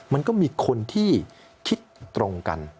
มันก็มีคนที่คิดตรงกัน